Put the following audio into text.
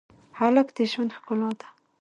هلک د ژوند ښکلا ده.